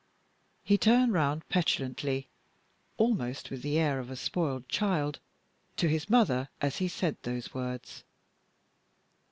He turned round petulantly, almost with the air of a spoiled child, to his mother, as he said those words.